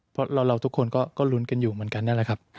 เพราะเราทุกคนก็ลุ้นกันอยู่เหมือนกันนั่นแหละครับ